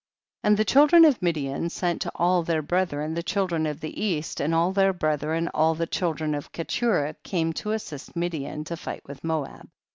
15. And the children of Midian sent to all their brethren the children of the east, and all their brethren, all the children of Keturah came to as sist Midian to fight with Moab.